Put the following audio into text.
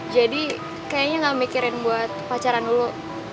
jadi kayaknya gak mikirin buat pacaran dulu